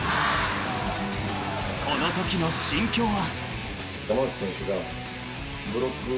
［このときの心境は］